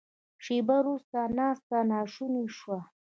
شیبه وروسته ناسته ناشونې شوه.